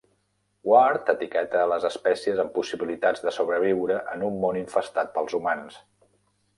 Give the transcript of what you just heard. Ward etiqueta les espècies amb possibilitats de sobreviure en un món infestat pels humans.